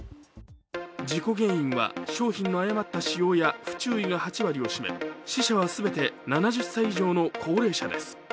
事故原因は商品の誤った使用や不注意が８割を占め死者は全て７０歳以上の高齢者です。